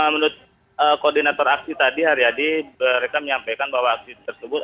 menurut koordinator aksi tadi hari yadi mereka menyampaikan bahwa aksi tersebut